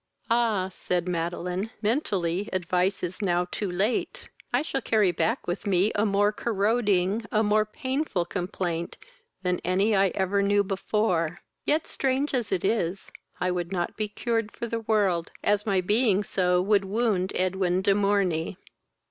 "Ah! (said Madeline,) mentally, advice is now too late. I shall carry back with me a more corroding, a more painful complaint than any I ever knew before; yet, strange as it is, I would not be cured for the world, as my being so would wound Edwin de Morney.